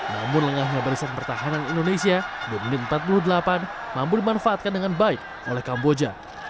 namun lengahnya barisan pertahanan indonesia di menit empat puluh delapan mampu dimanfaatkan dengan baik oleh kamboja